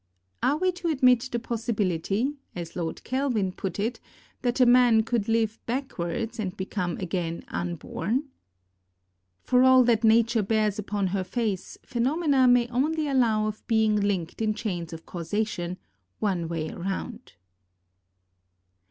Are we to admit the possibility, as Lord Kelvin put it, that a man could live backwards and become again unborn ? For all that Nature bears upon her face, phenomena may only allow of being linked in chains of causation, one way round.